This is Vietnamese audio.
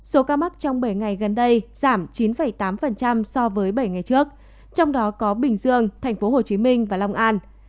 số ca mắc trong bảy ngày gần đây giảm chín tám so với bảy ngày trước trong đó có bình dương tp hcm và long an